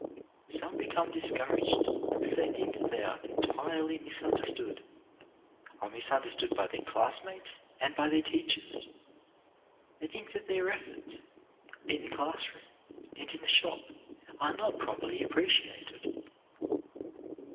Some become discouraged because they think that they are entirely misunderstood, are misunderstood by their classmates and by their teachers. They think that their efforts in the classroom and in the shop are not properly appre ciated.